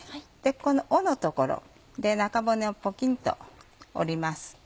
この尾の所で中骨をポキンと折ります。